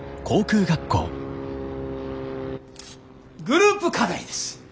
グループ課題です。